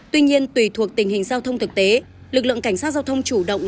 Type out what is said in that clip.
tuy nhiên tùy thuộc tình hình giao thông thực tế lực lượng cảnh sát giao thông chủ động